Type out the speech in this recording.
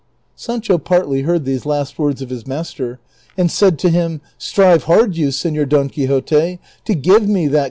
Sancho partly heard these last words of his master, and said to him, '' Strive hard you, Senor Don Quixote, to give me that 426 DON QUIXOTE.